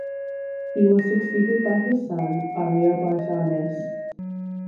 He was succeeded by his son Ariobarzanes.